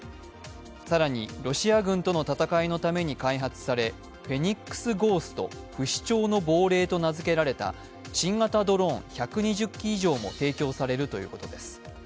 更にロシア軍との戦いのために開発されフェニックスゴースト＝不死鳥の亡霊と名付けられた新型ドローン１２０機以上も提供されるということです。